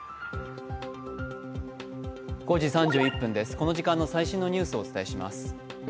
この時間の最新のニュースをお伝えします。